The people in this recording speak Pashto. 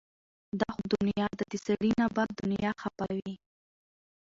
دا خو دنيا ده د سړي نه به دنيا خفه وي